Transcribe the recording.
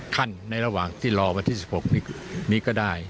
ขั้นในระหว่างที่รอวันที่๑๖นี้ก็ได้